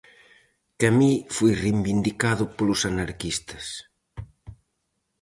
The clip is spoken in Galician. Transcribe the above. Camus foi reivindicado polos anarquistas...